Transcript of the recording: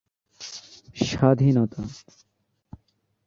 একারণে, রুদ্র রায় রেউই-এর নাম রাখেন কৃষ্ণনগর।